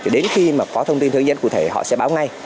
đến khi mà có thông tin hướng dẫn cụ thể họ sẽ báo ngay